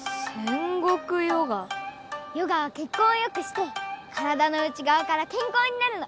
ヨガは血行をよくして体の内側からけんこうになるの！